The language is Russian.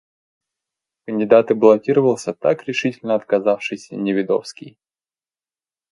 В кандидаты баллотировался так решительно отказавшийся Неведовский.